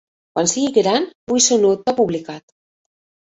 Quan sigui gran, vull ser un autor publicat.